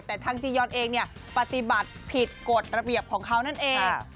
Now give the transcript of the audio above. แต่ทางจียอนเองปฏิบัติผิดกฎระเบียบของเขานั่นเอง